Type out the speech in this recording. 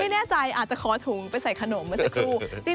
ไม่แน่ใจอาจจะขอถุงไปใส่ขนมเมื่อสักครู่